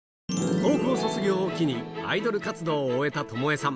高校卒業を機に、アイドル活動を終えた巴さん。